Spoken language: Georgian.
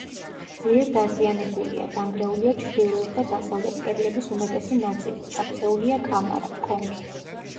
ძლიერ დაზიანებულია: დანგრეულია ჩრდილოეთ და დასავლეთ კედლების უმეტესი ნაწილი, ჩაქცეულია კამარა, კონქი.